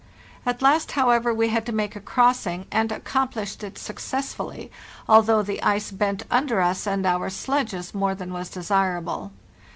At last, however, we had to make a crossing, and accomplished it successfully, although the ice bent under us and our sledges more than was desirable.